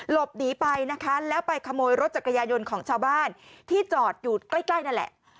หลบหนีไปนะคะแล้วไปขโมยรถจักรยายนต์ของชาวบ้านที่จอดอยู่ใกล้นั่นแหละ